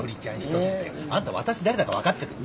あんた私誰だか分かってる？